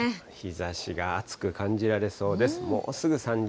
日ざしが暑く感じられそうです。